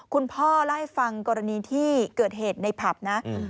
คุณพ่อเล่าให้ฟังกรณีที่เกิดเหตุในผับนะ